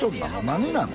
何なの？